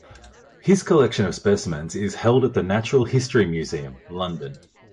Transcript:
His collection of specimens is held at the Natural History Museum, London.